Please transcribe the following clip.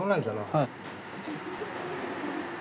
はい。